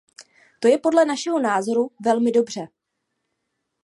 To je podle našeho názoru velmi dobře.